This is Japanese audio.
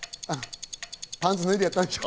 パンツ脱いでやったんでしょ。